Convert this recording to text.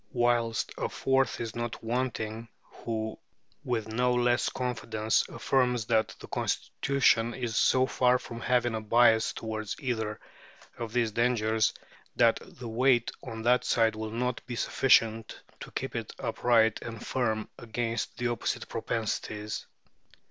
Whilst a fourth is not wanting, who with no less confidence affirms that the Constitution is so far from having a bias towards either of these dangers, that the weight on that side will not be sufficient to keep it upright and firm against the opposite propensities.